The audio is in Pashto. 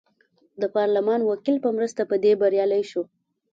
د پارلمان وکیل په مرسته په دې بریالی شو.